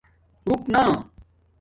رُݣ نہ